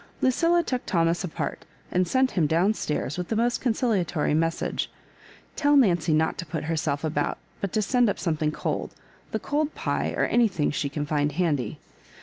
Lucilla took Thomas apart, and sent him down stairs with the most' conciliatory message. *' Tell Nancy not to put herself about, but to send up something cold — ^the cold pie, or anything she can find handy.